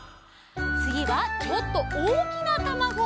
つぎはちょっとおおきなたまご！